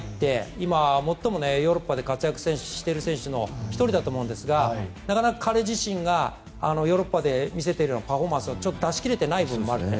今、最もヨーロッパで活躍している選手の１人だと思いますがなかなか彼自身がヨーロッパで見せているようなパフォーマンスは出し切れてない部分があるので。